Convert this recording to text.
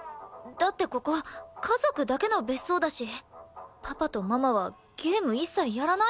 だってここ家族だけの別荘だしパパとママはゲーム一切やらないもん。